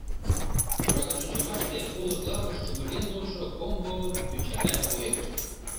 Тора гыч ончымаште, олык лапыш чумырген волышо комбо тӱчала койыт.